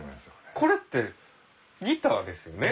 これってギターですよね？